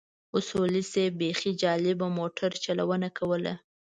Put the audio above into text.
اصولي صیب بيخي جالبه موټر چلونه کوله.